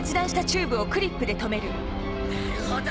なるほど！